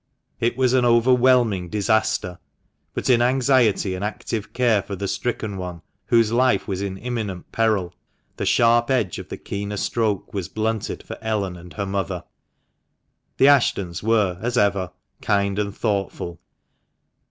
It was an overwhelming disaster ; but in anxiety and active care for the stricken one, whose life was in imminent peril, the sharp edge of the keener stroke was blunted for Ellen and her mother. The Ashtons were, as ever, kind and thoughtful.